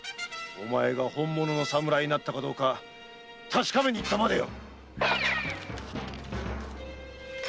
おまえが本物の侍になったかどうか確かめに行ったまでよ！